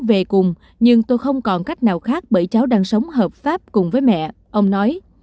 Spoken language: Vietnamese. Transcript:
bé khóc và muốn về cùng nhưng tôi không còn cách nào khác bởi cháu đang sống hợp pháp cùng với mẹ ông nói